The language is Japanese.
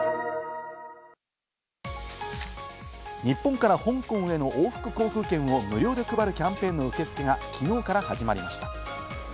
日本から香港への往復航空券を無料で配るキャンペーンの受付がきのうから始まりました。